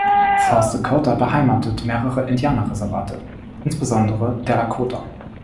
South Dakota beheimatet mehrere Indianerreservate, insbesondere der Lakota.